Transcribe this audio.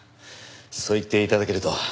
そう言って頂けると。